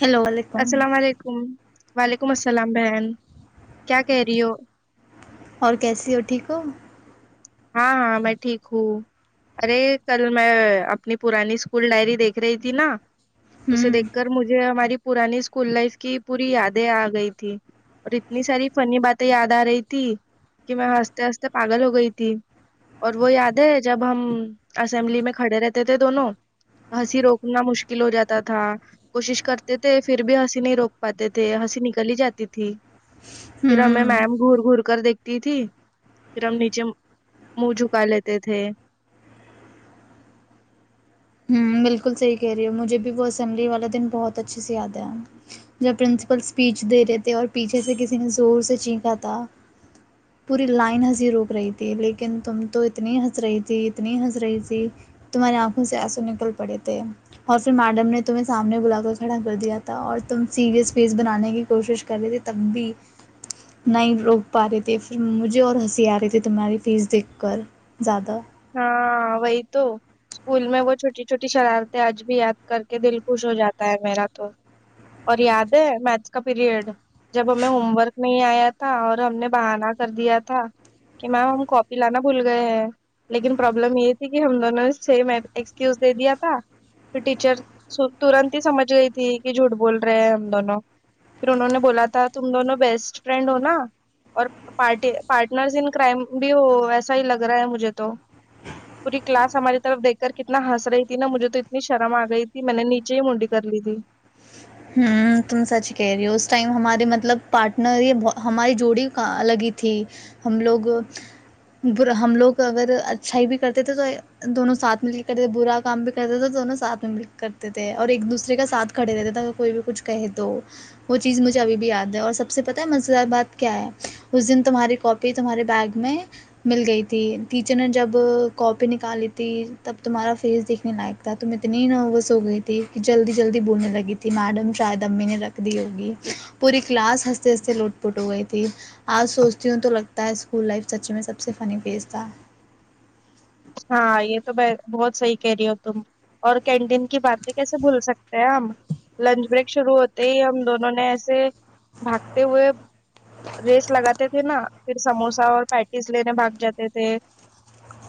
hello وعلیکم السلام علیکم وعلیکم السلام بہن کیا کہہ رہی ہو اور کیسی ہو ٹھیک ہو ہاں ہاں میں ٹھیک ہوں ارے کل میں اپنی پرانی اسکول ڈائری دیکھ رہی تھی نا اسے ہوں دیکھ کر مجھے ہماری پانی اسکول لائف کی پوری یادیں آ گئی تھی اور اتنی ساری فنی باتیں یاد آ رہی تھی کہ میں ہنستے ہنستے پاگل ہو گئی تھی اور وہ یاد ہے جب ہم اسمبلی میں کھڑے رہتے تھے دونوں ہنسی روکنا مشکل ہو جاتا تھا کوشش کرتے تھے پھر بھی ہنسی نہیں روک پاتے تھے ہنسی نکل ہی جاتی تھی پھر ہمیں ہوں میم گور گور کر دیکھتی تھی پھر ہم نیچے منہ جھکا لیتے تھے ہوں بالکل صحیح کہہ رہی ہو مجھے بھی وہ اسمبلی والا دن بہت اچھے سے یاد آیا جب پرنسپل اسپیچ دے رہے تھے اور پیچھے سے کسی نے زور سے چینھا تھا پوری لائن ہنسی روک رہی تھی لیکن تم تو اتنی ہنس رہی تھی اتنی ہنس رہی تھی تمہاراری آنکھوں سے ایسوںنے پڑے تھے اور پھر میڈم نے تمہیں سامنے بلا کر کھڑا کر دیا تھا اور تم سیریس فیس بنانے کی کوشش کر رہے تے تب بھی نہیں روک پا رہے تھی پھر مجھے اور ہنسی آ رہی تھی تمہاری فیس دیکھ کر زیادہ ہاں وہی تو اسکول میں وہ چھوٹی چھوٹی شرارتیں آج بھی یاد کر کے دل خوش ہو جاتا ہے میرا تو اور یاد ہے میتھ کا پیریڈ جب ہمیں ہوم ورک نہیں آیا تھا اور ہم نے بہانہ کر دیا تھا کہ میم ہم کاپی لانا بھول گئے ہیں لیکن پرابلم یہ تھی کہ ہم دونوں نے سیم ایکسکیوز دے دیا تھا پھر ٹیچر ترنت ہی سمجھ گئی تھی کہ جھوٹ بول رہے ہیں ہم دونوں پھر انہوں نے بولا تھا تم دونوں بیسٹ فرینڈ ہوناا اورٹی پارٹنر ان کرائم بھی ہو ایسا ہی لگ رہا ہے مجھے تو پوری کلاس ہماری طرف دیکھ کر کتنا ہنس رہی تھی نہا مجھے تو اتنی شرم آ گئی تھی میں نے نیچے ہی منڈی کر لی تھی ہ تم سچ کہہ رہی ہو اس ٹائم ہمارے مطلب پارٹنر ہی ہماری جوڑی الگی تھی ہم لوگ ہم لوگ اگر اچھا ہی بھی کرتے تھے تو دونوں ساتھ مل کے کرتے تھ برا کام بھی کرتے تھے تو دونوں ساتھ میں مل کے کرتے تھے اور ایک دوسرے کا ساتھ کھڑے رہتے تھا کوئی بھی کچھ کہے تو وہ چیز مجھے ابھی بھی یاد ہے اور سب سے پتاہ ہے مز بات کیا ہے اس دن تمہاری کاپی تمہارے بیگ میں مل گئی تھی ٹیچر نے جب کاپی نکالی تھی تب تمہارا فیس دیکھنے لائق تھا تم اتنی نووسو گئی تھی کہ جلدی جلدی بولنے لگی تھی ت میڈم شاید امی نے رکھ دی ہوگی پوری کلاس ہنستے ہنستے لٹ پٹ ہو گئی تھی آج سوچتی ہوں تو لگتا ہے اسکول لائف سچی میں سب سے فنی فیز تھا ہاں یہ تو میں بہت صحیح کہہ رہی ہو تم اور کینٹین کی باتیں کیسے بھول سکتے ہیں ہم لنچ بریک شروع ہوتے ہی ہم دونوں نے ایسے بھاگتے ہوئے ریس لگاتے تھے نا پھر سموسا اور پیٹیز لینے بھاگ جاتے تھے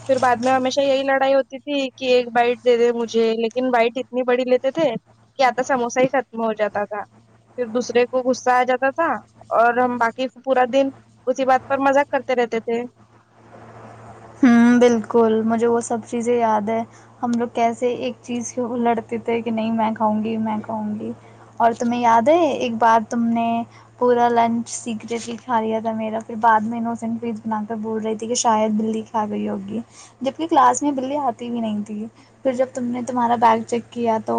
پھر بع میں ہمیشہ یہی لڑائی ہوتی تھی کہ ایک بائٹ دے دے مجھے لیکن بائٹ اتنی بڑی لیتے تھے کہ آتا سموسا ہی ختم ہو جاتا تھا پھر دوسرے کو غصہ آ جاتا تھا اور ہم باقی پورا دن اسی بات پر مزاق کرتے رہتے تھے ہ بالکل مجھے وہ سب چیزیں یاد ہے ہم لوگ کیسے ایک چیز کی لڑتے تھے کہ نہیں میں کھاؤں گی میں کھاؤں گی اور تمہیں یاد ہے ایک بار تم نے پورا لنچ سیکریٹ ہی کھا لیا تھا میرا پھر بعد میں انوسینٹ فیس بنا کر بول رہی تھی کہ شاید بی جبکہ کلاس میں بلی اتی ہی نہیں تھی پھر جب تم نے تمہارا دال چیک کیا تو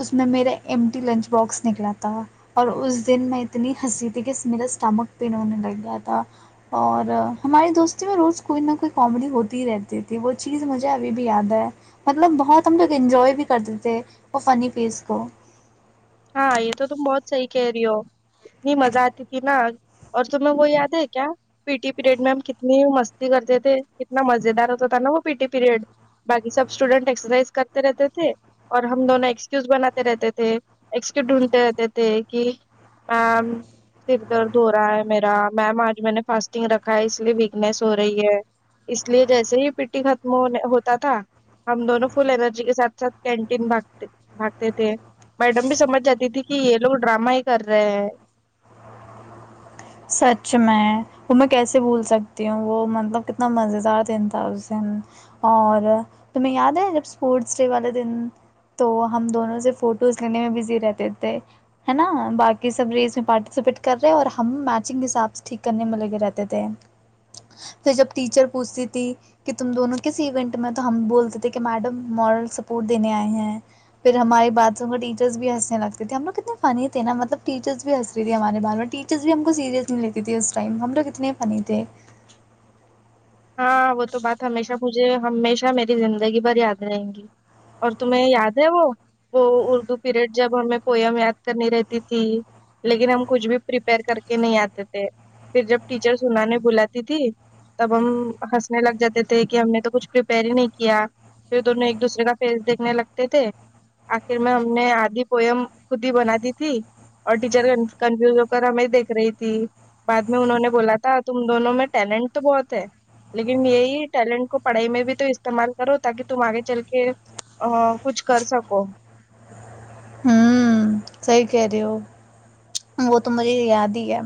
اس میں میرے احمدی لنچ باکس نکلا تھا اور اس دن میں اتنی ہنسی تھی کہ سملر سٹمک بھی انہوں نے لگ گیا تھا اور ہمارے دوست کوئی نہ کوئی کامیڈی ہوتی ہی رہتی تھی وہ چیز مجھے ابھی بھی یاد ہے مطلب بہت ہم لوگ انجوائے بھی کرتے تھے وہ فنی فیس کو ہاں یہ تو تم بہت صحیح کہہ رہی ہو اتنی مزہ آتی تھی نا اور تمہیں وہ یاد ہے کیا پی ٹی پیریڈ میں ہم کتنی مستی کرتے تھے کتنا مزے دار ہوتا تھا نا وہ پی ٹی پیریڈ باقی سب اسٹوڈینٹ ایکسرسائز کرتے رہتے تھے اور ہم دونوں ایکسکیوز بناتے رہتے تھے ایکس ڈھونڈتے رہتے تھے کہ میم سر درد ہو رہا ہے میرا میم آج میں نے فاسٹنگ رکھا ہے اس لیے ویکنیس ہو رہی ہے اس لیے جیسے ہی پیٹی ختم ہونے ہوتا تھا ہم دونوں فل ارجی کے ساتھ ساتھ کینٹین بھاگتے بھاگتے تھے میڈم بھی سمجھ جاتی تھی کہ یہ لوگ ڈرامہ ہی کر رہے ہیں سچ میں وہ میں کیسے بھول سکتی ہوں وہ مطلب کتنا مز دار دن تھا اس دن اور تمہیں یاد ہے جب اسپورٹس ڈے والے دن تو ہم دونوں سے فوٹوز لینے میں بزی رہتے تھے ہے نا باقی سب ریس میں پارٹیسپیٹ کر رہے اور ہمی حاب سے ٹھیک کرنے میں لگے رہتے تھے پھر جب ٹیچر پوچھتی تھی کہ ت دونوں کس ایونٹ میں تو ہم بولتے تھے کہ میڈم مل سپورٹ دینے آئے ہیں پھر ہمارے باتھ روم کا ٹیچرس بھی ہنسنے لگتے تھے ہم لوگ کتنے فنی تھ نا مطلب ٹیچرس بھی ہنس رہ تھی ہمارے ب میں ٹیچر بھی سیریس نہیں لیتی تھی اس ٹائم ہم لوگ اتنے فنی تھے ہاں وہ تو بات ہمیشہ مجھے ہمیشہ میری زندگی بھر یاد رہیں گی اور تمہیں یاد ہے وہ وہ اردو پیریڈ جب ہمیں پوئم یاد کرنی رہتی تھی لیکن ہم کچھ بھی پریپیئر کر کے نہیں آتے تھے پھر جب ٹیچر سنانے بلاتی تھی تب ہنسنے لگ جاتے تھے کہ ہم نے تو کچھ پپئر ہی نہیں کیا پھر دونوں ایک دوسرے کا فیس دیکھنے لگتے تھے آخر میں ہم نے آدھی پوئم خود ہی بنا دی تھی اور ٹیچر کنفیوز ہو کر ہمیں دیکھ رہی تھی بعد میں انہوں نے بولا تھا تم دونوں میں ٹیلنٹ تو بہت لیکن یہی ٹیلنٹ کو پڑھائی میں بھی تو استعمال کرو تاکہ تم آگے چل کے کچھ کر سکو ہوں صحیح کہہ رہے ہو وہ تو مجھے یاد ہی ہے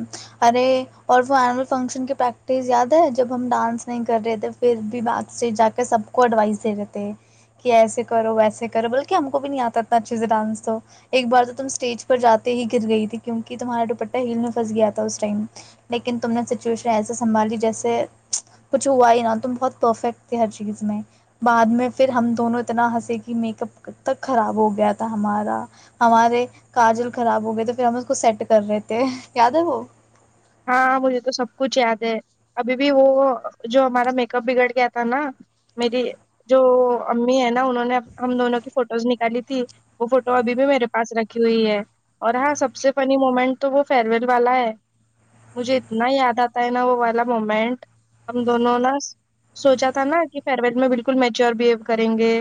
ارے اور وہ ال فنکشن کی پریکٹس یاد ہے جب ہم ڈانس نہیں کر رہے تھ پھر بھی بات اسٹیج جا کے سب کو اڈوائس دے رہےتے کہ ایسے کرو ویسے کرو بلکہ ہم کو بھی نہیں آتا اتنا اچھے سے ڈانس تو ایک بار تو تم اسٹیج پر جاتے ہی گر گئی تھی کیوںک تمہارا دپٹہ ہل میں پھنس گیا تھا اس ٹائم لیکن تم نے سچویشن ایسا سنبھال جیسے کچھ ہوا ہی نا تم بہت پرفیکٹے ہر چیز میں بعد میں پھر ہم دونوں اتنا ہنس کہ میک اپ ک تک خراب ہو گیا تھا ہمارا ہمارے کاجل خراب ہو گئے تو پھر ہم اس کو سیٹ کر رہے تھے یاد ہے وہ ہاں مجھے تو سب کچھ یاد ہے ابھی بھی وہ جو ہمارا میک اپ بگڑ گیا تھا نا میری جو امی ہے نا انہوں نے ہم دونوں کی فوٹوز نکالی تھی وہ فوٹو ابھی بھی میرے پاس رکھی ہوئی ہے اور ہاں سب سے فنی مومنٹ تو وہ فیئر ویل والا ہے مجھے اتنا یاد آتا ہے نا وہ والا مومنٹ ہم دونوں نا سوچا تھا نا کہ فر ویل میں بالکل میچور بہیو کریں گے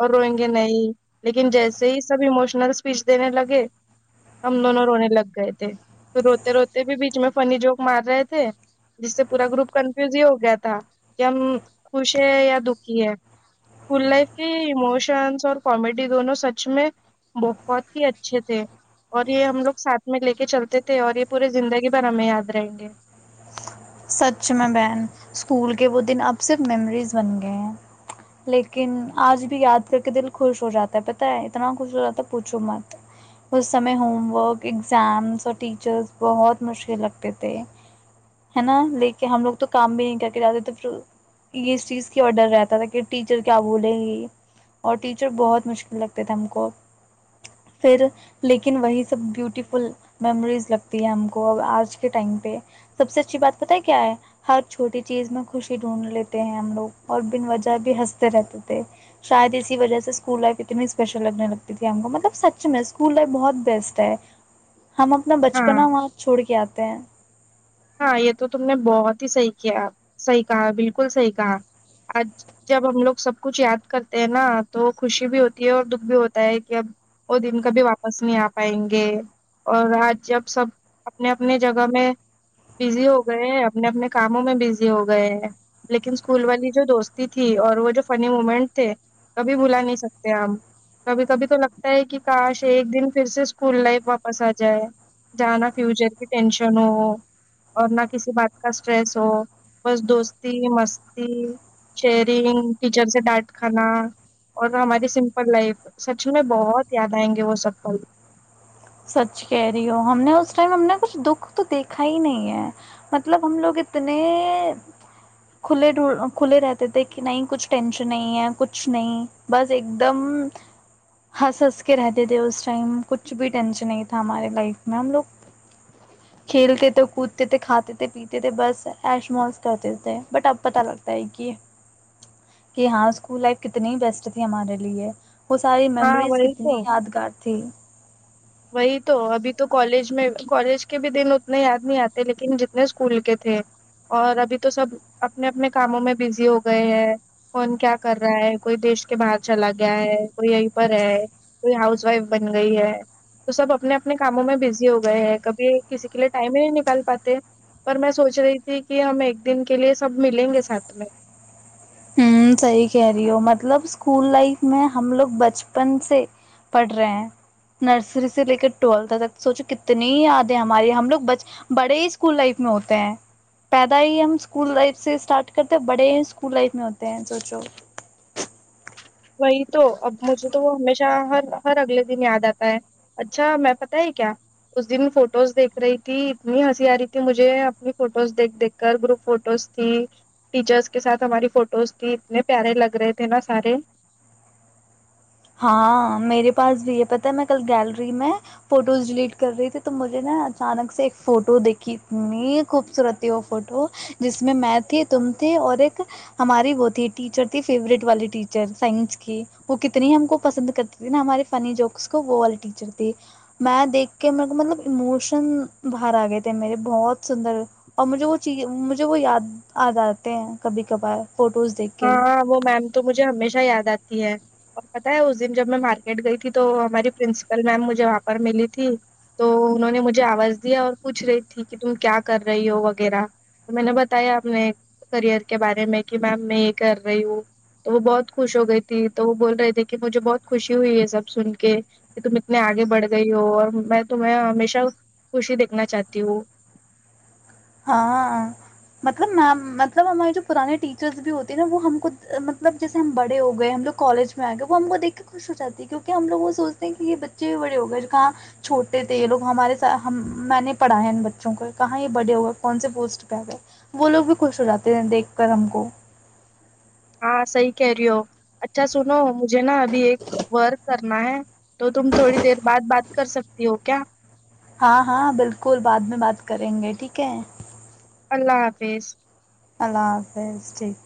اور روئیں گے نہیں لیکن جیسے ہی سب اموشنل اسپیچ دینے لگے ہم دونوں رونے لگ گئے تھے تو روتے روتے بھی فنی جوک مار رہے تھے جس سے پورا گروپ کنفیوز ہی ہو گیا تھا کہ ہم خوش ہے یا دکھی ہے اسکول لائف کے اموشنس اور کامیڈی دونوں سچ میں بہت ہی اچھے تھے اور یہ ہم لوگ ساتھ میں لے کے چلتے تھے اور یہ پورے زندگی ب ہمیں یاد رہیں گے سچ میں بہن اسکول کے وہ دن اب صرف میموریز بن گئے ہیں لیکن آج بھی یاد کر کے دل خوش ہو جاتا ہے پت ہے اتنا خوش ہو جاتا پوچھو مت اس سمے ہوم ورک ایگزامس اور ٹیچرس بہت مشکل لگتے تھے ہے نا لیکن ہم لوگ تو کام بھی نہیں کر کے جاتے تھے پھر اس چیز کی اور ڈر رہتا تھا کہ ٹیچر کیا بولے گی اور ٹیچر بہت مشکل لگتے تھے ہم کو پھر لیکن وہی سب بیوٹیفل میموریز لگتی ہے ہم کو آج کے ٹائم پہ سب سے اچ اچھی بات پت ہے کیا ہے ہر چھوٹی چیز میں خوشی ڈھونڈ لیتے ہیں ہم لوگ اور بن وجہ بھی ہنستے رہتے تھے شاید اسی وجہ سے اسکول لائف اتنی اسپیشل لگنے لگتی تھی ہم کو مطلب سچ میں اسکول لائف بہت بیسٹ ہے ہم اپنا ہاں بچپنا وہاں چھوڑ کے آتے ہیں ہاں یہ تو تم نے بہت ہی صحیح کیا صحیح کہا بالکل صحیح کہا آج جب ہم لوگ سب کچھ یاد کرتے ہیں نا تو خوشی بھی ہوتی ہے اور دکھ بھی ہوتا ہے کہ اب وہ دن کبھی واپس نہیں آ پائیں گے اور آج جب سب اپنے اپنے جگہ میں بزی ہو گئے ہیں اپنے اپنے کاموں میں بزی ہو گئے ہیں لیکن اسکول والی جو دوستی تھی اور وہ جو فنی مومنٹ تھے کبھی بلا نہیں سکتے ہم کبھی کبھی تو لگتا ہے کہ کاش ایک دن پھر سے اسکول لائف واپس آ جائے جانا فیوچر کی ٹینشن ہو اور نہ کسی بات کا اسٹریس ہو بس دوستی مستی شیئرنگ ٹیچر سے ڈانٹ کھانا اور ہماری سمپل لائف سچ میں بہت یاد آئیں گے وہ سب کو سچ کہہ رہی ہو ہم نے اس ٹائم ہم نے کچھ دکھ تو دیکھا ہی نہیں ہے مطلب ہم لوگ اتنے کھلے کھلے رہتے تھے کہ نہیں کچھ ٹینشن نہیں ہے کچھ نہیں بس ایک دم ہنس ہنس کے رہتے تھے اس ٹائم کچھ بھی ٹینشن نہیں تھا ہمارے لائف میں ہم لوگ کھیلتے تھے کودتے تھے کھاتے تھے پیتے تھے بس ایش مس کرتے تھے بٹ اب پت لگتا ہے کہ کہ ہاں اسکول لائف کتنی بیسٹ تھی ہمارے لیے وہ ساری ہاں میمریز وہی کتنی تو یادگار تھی وہی تو ابھی تو کالج میں کالج کے بھی دن اتنے یاد نہیں آتے لیکن جتنے اسکول کے تھے اور ابھی تو سب اپنے اپنے کاموں میں بزی ہو گئے ہیں کون کیا کر رہا ہے کوئی دیش کے باہر چلا گیا ہے کوئی یہیں پر ہے کوئی ہاؤس وائف بن گئی ہے تو سب اپنے اپنے کاموں میں بزی ہو گئے ہیں کبھی کسی کے لیے ٹائم ہی نہیں نکال پاتے پر میں سوچ رہی تھی کہ ہم ایک دن کے لیے سب ملیں گے ساتھ میں ہ صحیح کہہ رہی ہو مطلب اسکول لائف میں ہم لوگ بچپن سے پڑھ رہے ہیں نرسری سے لے کر ٹویلتھ تک سوچو کتنی یادیں ہماری ہم لوگ ب بڑے ہی اسکول لائف میں ہوتے ہیں پیدا ہی ہم اسکول لائف سے اسٹارٹ کرتے بڑے ہی اسکول لائف میں ہوتے ت سوچو وہی تو اب مجھے تو وہ ہمیشہ ہر ہر اگلے دن یاد آتا ہے اچھا میں پتاہ ہے کیا اس دن فوٹوز دیکھ رہی تھی اتنی ہنسی آ رہی تھی مجھے اپنی فوٹوز دیکھ دیکھ کر گروپ فوٹوز تھی ٹیچرس کے ساتھ ہماری فوٹوز تھی اتنے پیارے لگ رہے تھے نا سارے ہاں میرے پاس بھی یہ پتا میں کل گیلری میں فوٹوز ڈیلیٹ کر رہی تھی تو مجھے نا اچانک سے ایک فوٹو دیکھی ت خوبصورت تھی وہ فوٹو جس میں میں تھی تم تے اور ایک ہماری وہ تھی ٹیچر تھی فیورٹ والی ٹیچر سائنس کی وہ کتنی اتنی ہم کو پسند کرتی تھی نا ہمارے فنی جوکس کو وہ والی ٹیچر تھی میں دیکھ کے میرے کو مطلب ایموشن باہر آ گئے تھے میرے بہت سندر اور مجھے وہ چیز مجھے وہ یاد د آتے ہیں کبھی کبھار فوٹوز دیکھ کے ہی ہاں وہ میم تو مجھے ہمیشہ یاد آتی اور بتایا اس دن جب میں مارکیٹ گئی تھی تو ہماری پرنسپل میم مجھے وہاں پر ملی تھی تو انہوں نے مجھے آواز دیا اور پوچھ رہی تھی کہ تم کیا کر رہی ہو وغیرہ تو میں نے بتایا اپنے کریئر کے بارے میں کہ میم میں یہ کر رہی ہوں تو وہ بہت خوش ہو گئی تھی تو وہ بول رہے تھے کہ مجھے بہت خوشی ہوئی یہ سب سن کے کہ تم اتنے آگے بڑھ گئی ہو اور میں تمہیں ہمیشہ خوشی دیکھنا چاہتی ہوں ہاں مطلب می مطلب ہمارے جو پرانے ٹیچرس بھی ہوتے ہیں نا وہ ہم کو مطلب جیسے ہم بڑے ہو گئے ہم لوگ کالج میں آئے گئے وہ ہم کو دیکھ کے خوش ہو جاتی ہے کیوںکہ ہم لوگ وہ سوچتے ہیں کہ یہ بچے بڑے ہو گئے کہاں چھوٹے تھے یہ لو ہمارے س میں نے پڑھا ہے ان بچوں کو کہاں یہ بڑے ہو گئے کون سے پوسٹ پہ آ گئے وہ لوگ بھی خوش ہو جاتے ہیں دیکھ کر ہم کو ہاں صحیح کہہ رہی ہو اچھا سنو مجھے نا ابھی ایک ورک کرنا ہے تو تم تھوڑی دیر بعد بات کر سکتی ہو کیا ہاں ہاں بالکل بعد میں بات کریں گے ٹھیک ہے اللہ حافظ اللہ حافظ ٹھیک